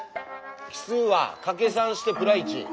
奇数はかけ３してプラ１。